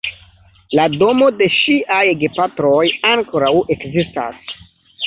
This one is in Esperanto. La domo de ŝiaj gepatroj ankoraŭ ekzistas.